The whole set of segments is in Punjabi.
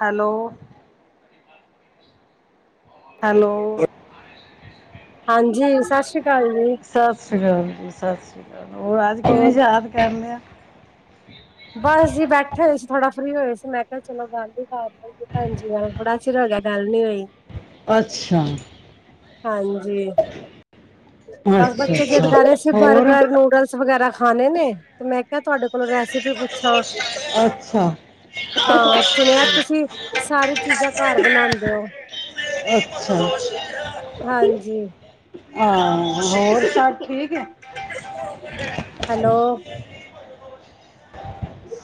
ਹੈਲੋ। ਹੈਲੋ ਹਾਂਜੀ ਸਤਿ ਸ੍ਰੀ ਅਕਾਲ। ਜੀ ਸਤਿ ਸ੍ਰੀ ਅਕਾਲ ਜੀ ਸਤਿ ਸ੍ਰੀ ਅਕਾਲ ਹੋਰ ਅੱਜ ਕਿਵੇਂ ਹੋਰ ਯਾਦ ਕਰ ਲਿਆ। ਬਸ ਜੀ ਬੈਠੇ ਹੋਏ ਸੀ ਥੋੜਾ ਫ੍ਰੀ ਹੋਏ ਸੀ ਮੈਂ ਕਿਹਾ ਚਲੋ ਗਾਂਧੀ ਕਏ ਭੈਣ ਜ ਬੜਾ ਚਿਰ। ਗੱਲ ਨੀ ਹੋਈ। ਅੱਛਾ। ਹਾਂਜੀ। ਬਸ ਅੱਛਾ ਬੱਚੇ ਜਿਦ ਅੱਛਾ ਕਰ ਰਹੇ ਸੀ ਹੋਰ ਬਰਗਰ ਨੂਡਲਸ ਵਗੈਰਾ ਖਾਣੇ ਨੇ ਤੇ ਮੈਂ ਕਿਹਾ ਤੁਹਾਡੇ ਕੋਲੋਂ ਰੈਸਿਪੀ। ਅੱਛਾ ਅੱਛਾ ਹਾਂ ਸੁਣਿਆ ਤੁਸੀਂ ਸਾਰੀ ਚੀਜ਼ਾਂ ਘਰ ਬਣਾ। ਹੁੰਦੇ ਉਹ। ਅੱਛਾ। ਹਾਂਜੀ। ਹਾਂ ਹੋਰ ਸਭ ਠੀਕ ਆ। ਹੈਲੋ।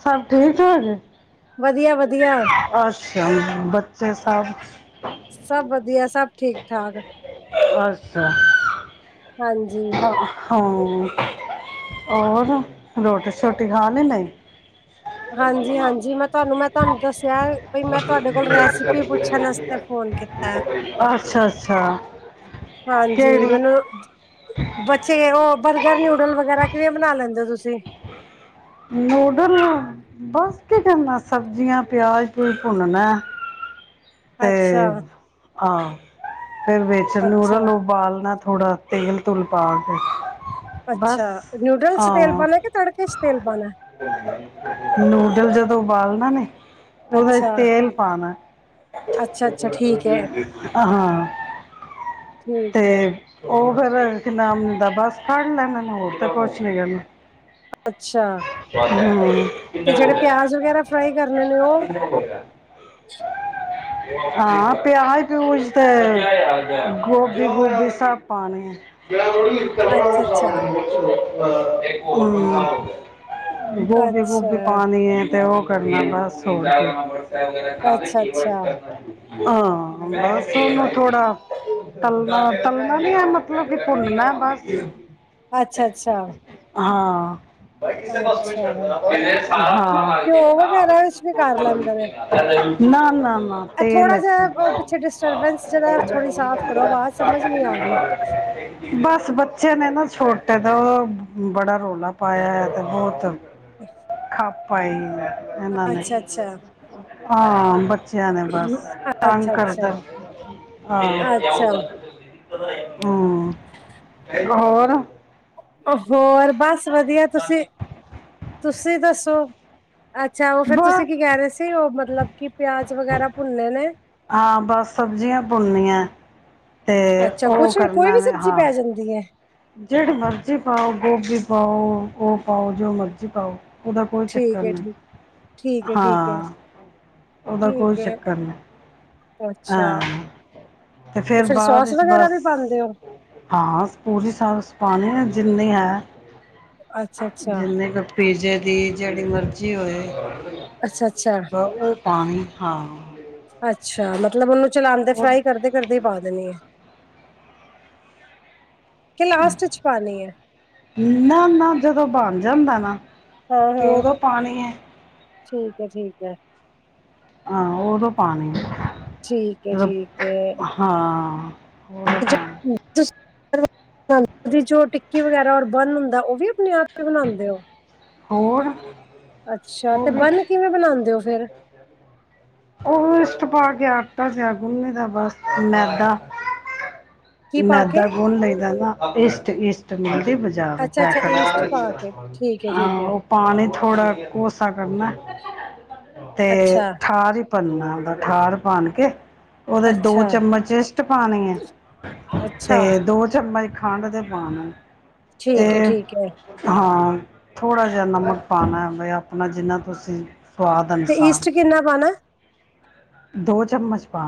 ਸਭ ਠੀਕ ਹੋ ਜ। ਵਧੀਆ ਵਧੀਆ। ਸਭ ਬੱਚੇ ਸਭ। ਸਭ ਵਧੀਆ ਸਭ ਠੀਕ ਠਾਕ। ਅੱਛਾ। ਹਾਂਜੀ। ਹਾਂ, ਹੋਰ ਰੋਟੀ-ਸ਼ੋਟੀ ਖਾ ਲੀ, ਨਈ? ਹਾਂਜੀ, ਹਾਂਜੀ ਮੈਂ ਤੁਆਨੂੰ, ਮੈਂ ਤੁਆਨੂੰ ਦੱਸਯਾ ਏ, ਮੈਂ ਤੁਆਡੇ ਕੋਲ ਰੈਸਿਪੀ ਪੁੱਛਨ ਆਸਤੇ। ਅੱਛਾ, ਅੱਛਾ। ਹਾਂਜੀ, ਕਿਹੜੀ ਮੈਨੂੰ ਬੱਚੇ। ਬਰਗਰ, ਨਿਊਡਲ ਵਗੈਰਾ ਕਿਵੇਂ ਬਨਾ ਲੈਂਦੇ ਓ ਤੁਸੀ? ਨੂਡਲ, ਬੱਸ ਕੀ ਕਰਨੈ ਸਬਜ਼ੀਆਂ, ਪਯਾਜ-ਪਯੂਜ ਪੁਨਨੈ। ਅੱਛਾ। ਆ, ਫੇਰ ਵਿਚ ਅੱਛਾ ਨੂਡਲ ਉਬਾਲਨੈ ਥੋੜਾ ਤੇਲ-ਤੂਲ ਪਾ ਕੇ। ਬਸ ਅੱਛਾ, ਨੂਡਲਸ ਆ ਚ ਤੇਲ ਪਾਨੈ, ਕੇ ਤੜਕੇ ਚ ਤੇਲ ਪਾਨਾ। ਨੂਡਲ ਜਦੋ ਉਬਾਲਨਾ ਨੇ, ਓਦੇ ਅੱਛਾ ਚ ਤੇਲ ਪਾਨੈ। ਅੱਛਾ ਅੱਛਾ ਠੀਕ ਹੈ ਹਾਂ, ਤੇ ਠੀਕ ਹੈ ਓ। ਫੇਰ ਕਿ ਨਾਮ ਉਦਾ ਬੱਸ ਕੱਡ ਲੈਨੇ ਨੇ, ਹੋਰ ਤੇ ਕੁਛ ਨੀ ਕਰਨਾ। ਅੱਛਾ। ਹੂੰ। ਤੇ ਜਿਹੜੇ [inaudible] ਪਿਆਜ ਵਗੈਰਾ ਫਰਾਈ ਕਰਨੇ [inaudible] ਨੇ ਉਹ ਹਾਂ, ਪਯਾਜ-ਪਯੂਜ, ਤੇ ਗੋਭੀ-ਗੂਭੀ ਸਭ ਪਾਨੀ। ਅੱਛਾ ਅੱਛਾ ਹੂੰ। ਗੋਭੀ-ਗੁਭੀ ਅੱਛਾ ਪਾਨੀ ਏ, ਤੇ ਓ ਕਰਨਾ ਬਸ ਹੋਰ ਕਿ। ਅੱਛਾ ਅੱਛਾ ਆਂ ਬੱਸ ਓਨੂ ਥੋੜਾ। ਤਲਨਾ, ਤਲਨਾ ਨੀ ਐ ਮਤਲਬ ਕਿ ਪੁਨਨੈ, ਬੱਸ। ਅੱਛਾ, ਅੱਛਾ। ਹਾਂ। [inaudible] [inaudible] [unintelligible] [unintelligible] ਹਾਂ, ਅੱਛਾ ਘਿਓ ਵਗੈਰਾ ਵਿੱਚ ਵੀ ਕਰ ਲੈਂਦੇ ਨੇ ਇਹ ਤੇਲ ਥੋੜਾ ਵਿਚ। ਜਿਹਾ ਪਿੱਛੇ ਡਿਸਟਰਬੈਂਸ ਜਿਹੜਾ ਥੋੜੀ ਸਾਫ਼ ਕਰੋ ਆਵਾਜ਼ ਸਮਝ ਨੀ ਆ ਰਹੀ ਬੱਸ, ਬੱਚੇ ਨੇ ਨਾ। ਛੋਟੇ ਨੇ, ਓ ਬੜਾ ਰੌਲਾ ਪਾਯਾ ਹਯੈ, ਤੇ ਬੋਤ ਖੱਪ। [unintelligible] [unintelligible] ਅੱਛਾ, ਅੱਛਾ। ਹਾਂ, ਬੱਚਯਾਂ ਨੇ ਬੱਸ, ਤੰਗ ਅੱਛਾ ਅੱਛਾ ਕਰਦੈ, ਹਾਂ। ਅੱਛਾ ਹੂਂ, ਹੋਰ। ਅ ਹੋਰ, ਬਸ ਵਦੀਐ‌‌‌, ਤੁਸੀ-ਤੁਸੀ ਦੱਸੋ। ਅੱਛਾ, ਓ ਫੇਰ ਤੁਸੀ ਬਸ ਕੀ ਕੈ ਰੇ ਸੀ, ਓ ਮਤਲਬ ਕਿ ਪਯਾਜ ਵਗੈਰਾ ਭੁਨਣੇ ਨੇ। ਹਾਂ ਸਬਜ਼ੀਆਂ ਪੁੰਣਨੀਐ। ਅੱਛਾ, ਕੁਛ ਕੋਈ ਵੀ ਸਬਜ਼ੀ ਪੈ ਜਾਂਦੀ ਏ। ਜੇੜੀ ਮਰਜ਼ੀ ਪਾਓ, ਗੋਭੀ ਪਾਓ, ਓ ਪਾਓ ਜੋ ਮਰਜ਼ੀ ਪਾਓ। ਉਦਾ ਕੋਈ ਚੱਕਰ ਠੀਕ ਹੈ ਨਈ‌, ਠੀਕ ਠੀਕ ਹੈ ਠੀਕ ਹੈ ਹਾਂ। ਉਦਾ ਕੋਈ ਠੀਕ ਹੈ ਚੱਕਰ ਨਈ। ਅੱਛਾ ਹਾਂ, ਤੇ ਫੇਰ ਫਿਰ ਬਾਦ ਸੋਸ ਵਿੱਚ ਵਗੈਰਾ ਬੱਸ। ਵੀ ਪਾਉਂਦੇ ਹੋ ਹਾਂ, ਪੂਰੀ ਸਾਸ ਪਾਨੀ ਏ। ਜਿੰਨੀ ਹੈ, ਅੱਛਾ ਅੱਛਾ ਜਿੰਨੀ ਕੀ ਪੀਜੇ। ਜੇੜੀ ਮਰਜ਼ੀ ਹੋਏ ਅੱਛਾ ਅੱਛਾ ਬ ਓ ਪਾਨੀ ਏ, ਹਾਂ। ਅੱਛਾ, ਮਤਲਬ ਓਨੂੰ ਚਲਾਂਦੇ, ਉਹ ਫਰਾਈ ਕਰਦੇ-ਕਰਦੇ ਈ ਪਾ ਦੇਨੀ ਏ। ਕਿ ਲਾਸਟ ਚ ਪਾਣੀ ਹੈ ਨਾ, ਨਾ ਜਦੋ ਬੰਨ ਜਾਂਦੈ ਨਾ। ਹਾਂ ਤੇ ਹਾਂ ਓਦੋ ਪਾਨੀ ਏ। ਠੀਕ ਏ, ਠੀਕ ਏ। ਹਾਂ, ਓਦੋ ਪਾਨੀ ਠੀਕ ਹੈ ਜਦੋ ਠੀਕ ਹੈ ਹਾਂ। ਉਦੋਂ [inaudible] [inaudible] ਜੋ ਪਾਣੀ ਟਿੱਕੀ ਵਗੈਰਾ ਔਰ ਬੰਨ ਹੁੰਦੈ ਓ ਵੀ ਅਪਨੇ ਆਪ ਈ ਬਨਾਂਦੇ ਓ? ਹੋਰ ਅੱਛਾ ਉਹ ਤੇ ਵੀ ਬਨ ਕਿਵੇਂ ਬਣਾਉਂਦੇ ਹੋ ਫੇਰ। ਉਹ ਇਸਟ ਪਾ ਗਿਆ ਆਟਾ ਜਹਾ ਗੁੰਨੇ ਦਾ ਬਸ ਮੈਦਾ। ਕੀ ਪਾ ਮੈਦਾ ਕੇ ਗੁਣ ਲਈਦਾ ਇਸ਼ਟ ਇਸ਼ਟ। ਮਿਲਦੀ ਬਾਜ਼ਾਰ ਅੱਛਾ ਪੈ ਅੱਛਾ ਈਸਟ ਪਾ ਕੇ ਠੀਕ ਹੈ ਹਾਂ ਠੀਕ ਹੈ ਉਹ ਪਾਣੀ। ਥੋੜਾ ਕੋਸਾ ਕਰਨਾ ਤੇ ਅੱਛਾ ਠਾਰ। ਪੰਨਾ ਦਾ ਠਾਰ ਪਾਣ ਕੇ, ਉਹਦੇ ਦੋ ਅੱਛਾ ਚਮਚ ਇਸ਼ਟ ਪਾਣੀ ਹੈ ਅੱਛਾ ਤੇ ਦੋ ਚਮਚ। ਖੰਡ ਦੇ ਬਾਣ ਤੇ ਠੀਕ ਹੈ ਠੀਕ ਹੈ ਹਾਂ। ਥੋੜ੍ਹਾ ਜਿਹਾ ਨਮਕ ਪਾਣਾ ਹੈ ਬ ਆਪਣਾ ਜਿੰਨਾ ਤੁਸੀਂ। ਸਵਾਦ ਤੇ ਅਨੁਸਾਰ। ਈਸਟ ਕਿੰਨਾ ਪਾਣਾ ਦੋ ਚਮਚ ਪਾ।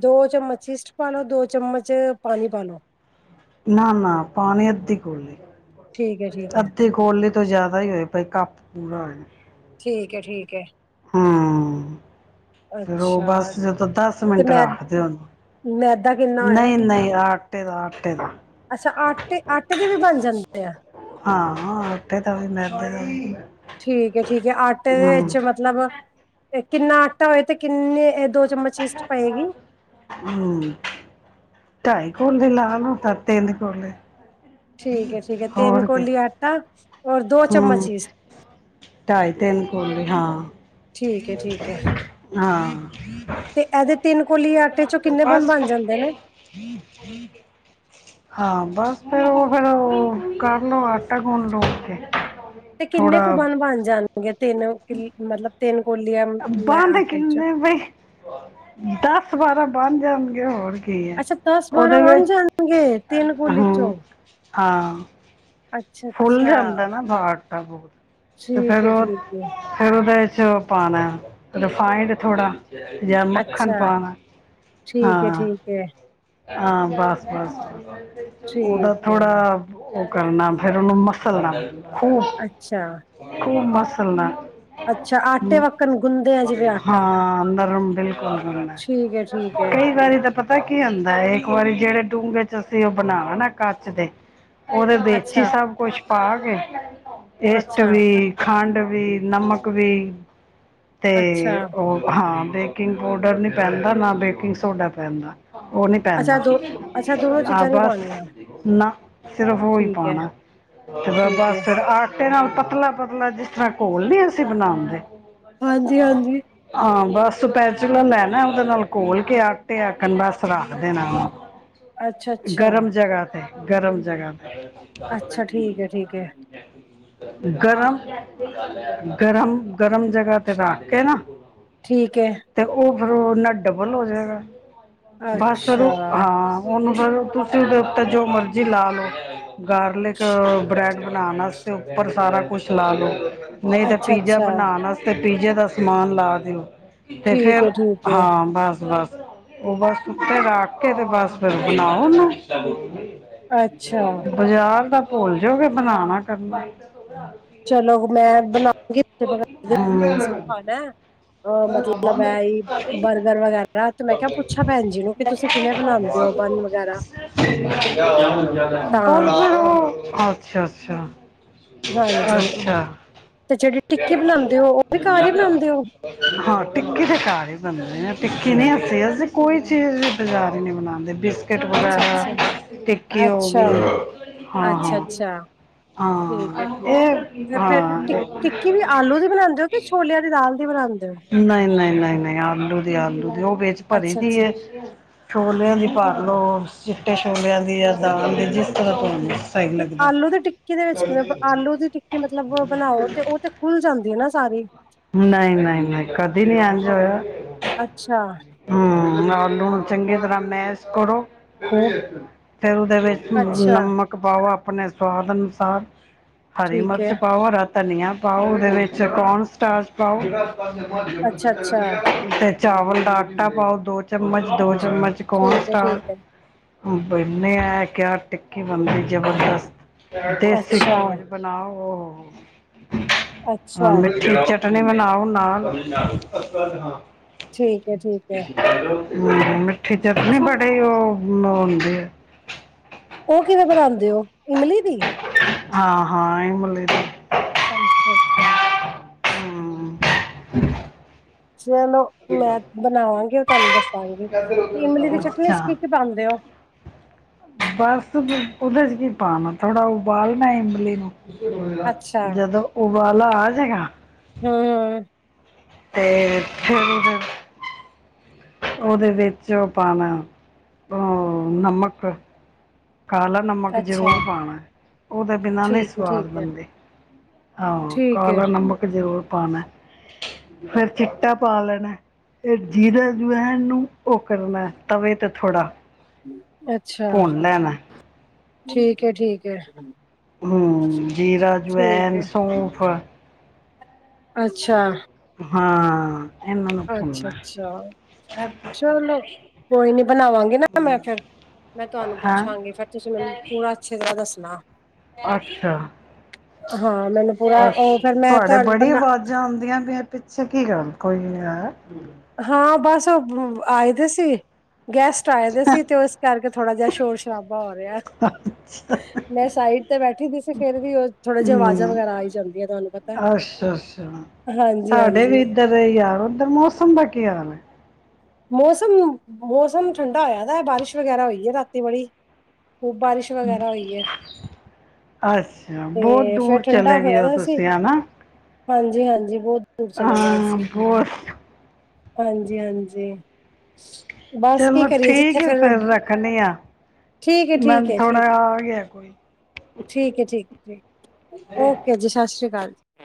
ਦੋ ਚਮਚ ਇਸਟ ਪਾ ਲੋ ਦੋ ਚਮਚ ਪਾਣੀ ਪਾ ਲੋ। ਨਾ-ਨਾ ਪਾਣੀ ਅੱਧੀ ਕੋਲੀ ਠੀਕ ਹੈ ਠੀਕ ਹੈ ਅੱਧੀਕੋਲੀ। ਤੋਂ ਜਿਆਦਾ ਹੀ ਹੋਏ ਈ ਕੱਪ ਪੂਰਾ ਹੋਏ। ਠੀਕ ਹੈ ਠੀਕ ਹੈ। ਹੂੰ ਫਿਰ ਉਹ ਅੱਛਾ ਬਸ ਜਦੋਂ ਦਸ ਤੇ ਮਿੰਟ ਮੈ ਰੱਖਦੇ ਮੈਦਾ ਕਿੰਨਾ ਉਹਨੂੰ। ਹੋਏ ਨਈ-ਨਈ, ਆਟੇ ਦਾ ਆਟੇ ਦਾ। ਅੱਛਾ, ਆਟੇ-ਆਟੇ ਦੇ ਵੀ ਬਣ ਜਾਂਦੇ ਐ? ਹਾਂ, ਆਟੇ ਦਾ ਵੀ, ਮੇਦੇ ਦਾ ਵੀ। ਠੀਕ ਹੈ ਠੀਕ ਹੈ, ਆਟੇ ਦੇ ਹੂੰ ਵਿੱਚ ਮਤਲਬ, ਇਹ ਕਿੰਨਾ ਆਟਾ ਹੋਏ? ਤੇ ਕਿੰਨ ਇਹ ਦੋ ਚਮਚ ਈਸਟ ਪਏਗੀ ਹੂੰ, ਢਾਈ [unintelligible] ਤਿੰਨ ਕੋਲੇ। ਠੀਕ ਹੈ ਠੀਕ ਹੈ, ਤਿੰਨ ਹੋਰ ਕੇ ਕੋਲੀ ਆਟਾ, ਔਰ ਦੋ ਚਮਚ ਹੂੰ ਚੀਜ਼। ਢਾਈ ਤਿੰਨ ਕੋਲੀ ਹਾਂ, ਠੀਕ ਹੈ ਠੀਕ ਹੈ ਹਾਂ। ਤੇ ਏਹਦੇ ਤਿੰਨ ਕੋਲੀ ਆਟੇ ਚੋਂ, ਕਿੰਨੇ ਬਸ ਬਣ-ਬਣ ਜਾਂਦੇ ਨੇ? ਹਾਂ। ਬਸ ਫਿਰ ਉਹ ਫਿਰ ਉਹ, ਕਰ ਲੋ, ਆਟਾ ਗੁੰਨ ਲੋ ਉੱਥੇ। ਤੇ ਕਿੰਨੇ ਕੁੂ ਬਣ, ਬਣ ਜਾਣਗੇ? ਤਿੰਨ ਕਿ ਮਤਲਬ ਤਿੰਨ ਕੋਲੀਆਂ ਮੈਂ ਬੰਦ ਆਟੇ ਚ ਕਿੰਨੇ ਬਈ? ਦਸ ਬਾਰਾਂ ਬੰਣ ਜਾਣਗੇ ਹੋਰ। ਕੀ ਏ? ਅੱਛਾ ਦਸ ਬਾਰਾਂ ਉਹਦੇ ਬਣ ਵਿੱਚ, ਜਾਣਗੇ ਤਿੰਨ ਕੋਲੀ ਹਾਂ, ਚੋਂ ਹਾਂ। ਅੱਛਾ ਫੁੱਲ ਜਾਂਦਾ ਅੱਛਾ ਏ ਨਾ, ਬਾਰ ਤਾਂ [unintelligible] ਤੇ ਠੀਕ ਫੇਰ ਹੈ ਉਹ, ਠੀਕ ਹੈ ਫੇਰ ਉਹਦੇ ਚ ਪਾਣਾ ਏ, ਰਿਫਾਈੰਡ ਥੋੜਾ ਯਾ ਮੱਖਣ ਅੱਛਾ ਪਾਣਾ ਏ। ਠੀਕ ਹੈ ਹਾਂ। ਠੀਕ ਹੈ ਹਾਂ ਬਸ-ਬਸ, ਉਹਦਾ ਠੀਕ ਹੈ ਥੋੜਾ ਔ ਕਰਨਾ, ਫੇਰ ਔਨੂੰ ਮਸਲਨਾ ਖੂਬ, ਅੱਛਾ ਖੂਬ ਮਸਲਨਾ। ਅੱਛਾ ਆਟੇ ਹੂੰ, ਵੱਕਣ ਗੁੰਦੇ ਆ ਜਿਵੇਂ ਆਟਾ ਹਾਂ ਅੰਦਰ ਠੀਕ ਹੈ ਠੀਕ [unintelligible] ਹੈ ਕਈ ਵਾਰੀ ਤਾਂ ਪਤ ਪਤਾ ਕੀ ਹੁੰਦਾ ਏ? ਇੱਕ ਵਾਰੀ ਜਿਹੜੇ ਡੂੰਘੇ ਚ ਅਸੀਂ ਉਹ ਬਣਾਵਾ ਨਾ ਕੱਚ ਦੇ, ਉਹ ਅੱਛਾ ਜੀ ਸਭ ਕੁਛ ਪਾ ਕੇ ਇਸਟ ਅੱਛਾ, ਵੀ ਖੰਡ। ਵੀ ਨਮਕ ਵੀ, ਤੇ ਅੱਛਾ, ਉਹ ਹਾਂ ਬੇਕਿੰਗ ਪਾਊਡਰ ਪੈਂਦਾ, ਨਾ ਬੇਕਿੰਗ ਸੋਡਾ ਪੈਂਦਾ। ਉਹ ਨਹੀ ਅੱਛਾ ਪੈਂਦਾ, ਦੋ ਅੱਛਾ ਦੋਨੋ ਆ ਚੀਜ਼ਾਂ ਨੀ ਬਸ, ਪਾਉਣੀਆਂ ਨਾ ਸਿਰਫ ਔਈ। ਠੀਕ ਐ, ਪਾਣਾ, ਤੇ ਠੀਕ ਐ। ਬਸ ਫਿਰ ਆ ਫੇਰ ਨਾ ਪਤਲਾ-ਪਤਲਾ, ਜਿਸ ਤਰ੍ਹਾਂ ਘੋਲ ਨੀ ਅਸੀਂ ਬਣਾਂਦੇ? ਹਾਂਜੀ-ਹਾਂਜੀ, ਆਮ। ਬਸ ਪੈਚਲਰ ਲੈਨਾ ਏ, ਉਹਦੇ ਨਾਲ ਘੋਲ ਕੇ, ਆਟੇ ਆਕਣ ਬਸ ਰੱਖ ਦੇਣਾ ਉਹਨੂੰ। ਅੱਛਾ-ਅੱਛਾ, ਗਰਮ ਜਗ੍ਹਾ ਤੇ। ਗਰਮ ਜਗ੍ਹਾ ਤੇ। ਅੱਛਾ ਅੱਛਾ ਅੱਛਾ ਠੀਕ ਐ, ਠੀਕ ਐ, ਗਰਮ, ਗਰਮ-ਗਰਮ ਜਗ੍ਹਾ ਤੇ ਰੱਖ ਕੇ ਨਾ ਠੀਕ ਐ। ਫੇਰ ਉਹ ਉਨ੍ਹਾਂ ਡਬਲ ਹੋ ਜਾਏਗਾ। ਬਸ ਫੇਰ ਅੱਛਾ, ਉਹ ਹਾਂ, ਉਹਨੂੰ ਫੇਰ ਤੁਸੀਂ ਪਰ ਜੋ ਮਰਜੀ ਲਾ ਲੋ, ਗਾਰਲਿਕ ਬ੍ਰੈ ਬਣਾਣ ਆਸਤੇ ਉੱਪਰ ਸਾਰਾ ਕੁਛ ਲਾ ਲੋ, ਨਈ ਤੇ ਪੀਜ਼ਾ ਅੱਛਾ-ਅੱਛਾ, ਬਣਾਣ ਆਸਤੇ ਪੀਜ਼ੇ ਦਾ ਸਮਾਨ ਲਾ ਦਿਓ। ਤੇ ਠੀਕ ਐ, ਫਿਰ, ਠੀਕ ਐ, ਹਾਂ, ਬਸ-ਬਸ। ਉਹ ਬਸ ਉਤੇ ਰੱਖ ਕੇ, ਤੇ ਬਸ ਫਿਰ ਬਣਾਓ ਉਹਨੂੰ। ਅੱਛਾ। ਬਜਾਰ ਦਾ ਭੁੱਲ ਜੋਗੇ, ਬਣਾਉਣਾ ਕਰਨਾ। ਚਲੋ ਮੈਂ ਬਣਾਓਗੀ [unintelligible] ਖਾਣਾ ਹਮ ਏ? ਅਹ ਮਤਲਬ ਏ ਈ, ਬਰਗਰ ਵਗੈਰਾ, ਤੇ ਮੈਂ ਕਿਹਾ ਪੁੱਛਾ ਭੈਣ ਜੀ ਨੂੰ, ਕਿ ਤੁਸੀਂ ਕਿਵੇਂ ਬਣਾਉਂਣ ਤਾਂ [unintelligible] ਅੱਛਾ-ਅੱਛਾ। ਹਾਂਜੀ ਅੱਛਾ। ਤੇ ਜਿਹੜੀ ਟਿੱਕੀ ਬਣਾਉਂਦੇ ਓ ਉਹ ਵੀ ਘਰ ਈ ਬਣਾਉਂਦੇ ਓ ਹਾਂ ਟਿੱਕੀ ਤੇ ਕਾਰ ਈ ਬਣਦੇ ਨੇ, ਟਿੱਕੀ ਨੀ, ਹਸੀ ਅਸੀਂ ਕੋਈ ਚੀਜ਼ ਬਜ਼ਾਰੀ ਨਹੀਂ ਬਣਾਉਂਦੇ। ਬਿਸਕਿਟ ਅੱਛਾ-ਅੱਛਾ, ਵਗੈਰਾ, ਟਿੱਕੀ ਅੱਛਾ। ਹੋ ਗਈ, ਅੱਛਾ ਹਾਂ-ਹਾਂ। ਅੱਛਾ-ਅੱਛਾ ਠੀਕ ਹਾਂ, ਐ-ਠੀਕ ਐ ਏਹ ਤੇ ਫਿਰ ਟਿ ਹਾਂ। ਟਿੱਕੀ ਵੀ ਆਲੂ ਦੀ ਬਣਾਂਦੇ ਓ ਕਿ ਛੋਲਿਆਂ ਦੀ ਦਾਲ ਦੀ ਬਣਾਂਦੇ ਓ? ਨਈ-ਨਈ-ਨਈ-ਨਈ, ਆਲੂ ਦੀ, ਆਲੂ ਦੀ ਉਹ ਵਿੱਚ ਭਰੀ ਦੀ ਅੱਛਾ-ਅੱਛਾ ਏ, ਛੋਲਿਆਂ ਦੀ ਭਰ ਲੋੋ। ਚਿੱਟੇ ਛੋਲਿਆਂ ਦੀ ਜਾਂ ਦਾਲ ਦੀ ਜਿਸ ਤਰ੍ਹਾਂ ਪਾਉਂਦੇ। ਤੇ ਆਲੂ ਦੀ ਟਿੱਕੀ ਦੇ ਵਿੱਚ ਕਿਵੇਂ ਆਲੂ ਦੀ ਟਿੱਕੀ ਮਤਲਬ ਬਣਾਓ ਤੇ ਉਹ ਤੇ ਖੁੱਲ ਜਾਂਦੀ ਹੈ ਨਾ। ਸਾਰੀ ਨਹੀਂ ਨਹੀਂ ਨਹੀਂ ਕਦੀ ਨਹੀਂ ਇੰਜ ਹੋਇਆ ਅੱਛਾ-ਅੱਛਾ ਹਮ। ਆਲੂ ਨੂੰ ਚੰਗੀ ਤਰ੍ਹਾਂ ਮੈਸ਼ ਕਰੋ ਫਿਰ ਉਹਦੇ ਵਿੱਚ ਨਮਕ ਪਾਓ ਆਪਣੇ ਸਵਾਦ ਅਨੁਸਾਰ। ਹਰੀ ਠੀਕ ਮਿਰਚ ਐ ਪਾਓ, ਹਰਾ ਧਨੀਆ ਪਾਓ, ਉਹਦੇ ਵਿੱਚ ਕੋਨ ਸਟਾਜ ਪਾਓ। ਅੱਛਾ-ਅੱਛਾ ਤੇ ਚਾਵਲ ਦਾ ਆਟਾ ਪਾਓ ਦੋ। ਚਮਚ ਦੋ ਚਮਚ ਕੌਣ ਠੀਕ ਸਟਾ। ਐ-ਠੀਕ ਐ ਬੰਨੇ ਐ ਕਿਆ ਟਿੱਕੀ ਬੰਦੀ ਜਬਰਦਸਤ। ਦੇਸੀ ਘਿਓ ਜ ਅੱਛਾ-ਅੱਛਾ ਬਣਾਓ ਮਿੱਠੀ ਚਟਨੀ। ਕਟਣੇ ਮ ਲਓ ਨਾ। ਠੀਕ ਐ-ਠੀਕ ਐ ਹ ਮਿੱਠੇ ਚ ਵੀ ਬੜੇ ਉਹ ਹੁੰਦੇ ਆ। ਉਹ ਕਿਵੇਂ ਬਣਾਉਂਦੇ ਹੋ ਇਮਲੀ ਦੀ। ਹਾਂ ਹਾਂ ਇਹ ਮੁੱਲ। ਅੱਛਾ ਅੱਛਾ। ਹਮ, ਚਲੋ ਮੈਂ ਬਣਾਵਾਂਗੀ ਉਹ ਤੁਹਾਨੂੰ ਦੱਸਾਂਗੀ ਤੇ ਇਮਲੀ ਦੀ ਚਟਨੀ ਚ ਅੱਛਾ ਕੀ ਕੀ ਪਾਉਂਦੇ ਹੋ। ਬਸ ਉਹਦੇ ਚ ਕੀ ਪਾਉਣਾ ਥੋੜਾ ਉਬਾਲਣਾ ਇਮਲੀ ਨੂੰ। ਅੱਛਾ ਜਦੋਂ ਉਬਾਲਾ ਆ ਜਾਏਗਾ। ਹਮ। ਤੇ ਫਿਰ। ਉਹਦੇ ਵਿੱਚ ਉਹ ਪਾਣਾ ਨਮਕ। ਕਾਲਾ ਨਮਕ ਅੱਛਾ ਜ਼ਰੂਰ ਪਾਉਣਾ ਉਹਦੇ ਬਿਨਾਂ ਨਹੀਂ ਠੀਕ ਹੈ ਸਵਾਦ ਠੀਕ ਹੈ ਬਣਦੇ। ਆਹੋ ਠੀਕ ਹੈ ਕਾਲਾ ਨਮਕ ਜ਼ਰੂਰ ਪਾਣਾ ਫੇਰ ਚਿੱਟਾ ਪਾ ਲੈਣਾ। ਇਹ ਜੀਰਾ ਜੋ ਹੈ ਇਹਨੂੰ ਉਹ ਕਰਨਾ ਤਵੇ ਤੇ ਥੋੜਾ। ਅੱਛਾ ਭੁੰਨ ਲੈਣਾ ਹੈ। ਠੀਕ ਹੈ ਠੀਕ ਹੈ। ਹਮ ਜੀਰਾ, ਠੀਕ ਅਜਵੈਨ, ਹੈ ਸੌਫ। ਅੱਛਾ। ਹਾਂ। ਇਹਨਾਂ ਨੂੰ ਅੱਛਾ ਭੁੰਨਣਾ ਅੱਛਾ ਹੈ। ਚਲੋ। ਕੋਈ ਨੀ ਬਣਾਵਾਂਗੇ ਨਾ ਹੂੰ, ਮੈਂ ਫਿਰ ਮੈਂ ਤੁਹਾਨੂੰ ਹਾਂ ਪੁੱਛਾਂਗੀ ਫੇਰ ਤੁਸੀਂ ਮੈਨੂੰ ਪੂਰਾ ਅੱਛੇ ਤਰਾਂ ਦੱਸਣਾ। ਨਾ। ਅੱਛਾ। ਹਾਂ ਮੈਨੂੰ ਪੂਰਾ ਅ ਉਹ ਫਿਰ ਮੈਂ ਤੁਹਾਡੇ ਤੁਹਾਨੂੰ ਬੜੀ ਬਣਾ ਆਵਾਜ਼ਾਂ ਆਉਂਦੀਆਂ ਵੀ ਪਿੱਛੇ ਕੀ ਗਲ। ਕੋਈ। ਹਾਂ ਬਸ ਉਹ ਆਏ ਤੇ ਸੀ। ਗੈਸਟ ਆਏ ਦੇ ਸੀ ਤੇ ਉਸ ਕਰਕੇ ਥੋੜਾ ਜਿਹਾ ਸ਼ੋਰ ਸ਼ਰਾਬਾ ਹੋ ਰਿਹਾ। ਮੈਂ ਸਾਈਡ ਤੇ ਬੈਠੀ ਦੀ ਸੀ ਫੇਰ ਵੀ ਉਹ ਥੋੜੇ ਜਿਹੀ ਆਵਾਜ਼ਾਂ ਵਗੈਰਾ ਆਈ ਜਾਂਦੀਆਂ ਤੁਹਾਨੂੰ ਪਤਾ। ਅੱਛਾ-ਅੱਛਾ ਹਾਂਜੀ ਸਾਡੇ ਵੀ ਹਾਂਜੀ ਇੱਧਰ ਯਾਰ ਉੱਧਰ ਮੌਸਮ ਦਾ ਕੀ ਹਾਲ ਹੈ। ਮੌਸਮ-ਮੌਸਮ ਠੰਡਾ ਹੋਇਆ ਦਾ ਬਾਰਿਸ਼ ਵਗੈਰਾ ਹੋਈ ਹੈ ਰਾਤੀ ਬੜੀ। ਖੂ ਬਾਰਿਸ਼ ਵਗੈਰਾ ਹੋਈ ਹੈ। ਅੱਛਾ ਬਹੁਤ ਤੇ ਦੂਰ ਫੇਰ ਚਲੇ ਗਏ ਹੋ ਤੁਸੀਂ ਹਨਾ। ਹਾਂਜੀ-ਹਾਂਜੀ ਬਹੁਤ ਦੂਰ ਚਲੇ ਗਏ ਆ ਹਾਂ ਅਸੀਂ। ਬਹੁਤ ਹਾਂਜੀ-ਹਾਂਜੀ। ਬਸ ਕੀ ਚਲੋ ਕਰੀਏ ਜਿੱਥੇ ਠੀਕ ਹੈ ਫਿਰ। ਰੱਖਣੀ ਆ ਠੀਕ ਹੈ ਠੀਕ ਮੈਨੂੰ ਹੈ ਥੋੜਾ ਠੀਕ ਹੈ। ਆ ਗਿਆ ਕੋਈ ਠੀਕ ਹੈ ਠੀਕ ਹੈ ਓਕੇ ਜੀ ਸਤਿ ਸ਼੍ਰੀ ਅਕਾਲ।